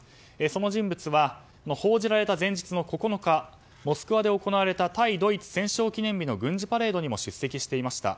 その人物は報じられた前日の９日モスクワで行われた対ドイツ戦勝記念日の軍事パレードにも出席していました。